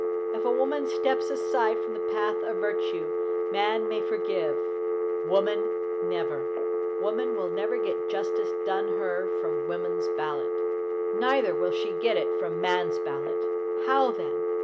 If a woman steps aside from the path of virtue, man may forgive, woman never! Woman will never get justice done her from woman's ballot. Neither will she get it from man's ballot. How, then?